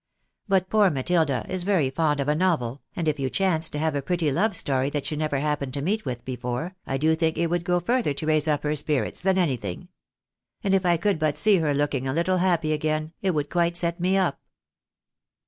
But poor Matilda is very fond of a novel, and if you chanced to have a pretty love story that she never happened to meet with before, I do think it would go further to raise up her spirits than anything. And if I could but see her looking a little happy again it would quite set me up."